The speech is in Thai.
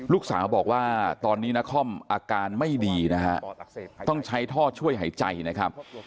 ลูกสาวบอกว่าตอนนี้นครอาการไม่ดีนะฮะต้องใช้ท่อช่วยหายใจนะครับ